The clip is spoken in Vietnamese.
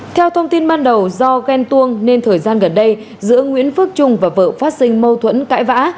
theo thông tin ban đầu do ghen tuông nên thời gian gần đây giữa nguyễn phước trung và vợ phát sinh mâu thuẫn cãi vã